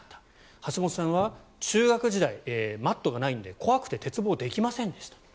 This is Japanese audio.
橋本さんは中学時代マットがないので怖くて鉄棒できませんでした。